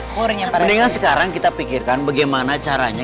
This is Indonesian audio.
mendingan sekarang kita pikirkan bagaimana caranya